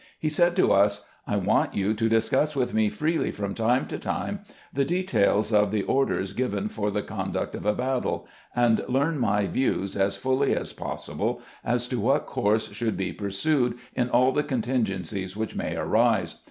He said to us : "I want you to discuss with me freely from time to time the details of the 38 CAMPAIGNING WITH GEANT orders given for the conduct of a battle, and learn my views as fully as possible as to what course should be pursued in all the contingencies which may arise.